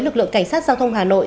lực lượng cảnh sát giao thông hà nội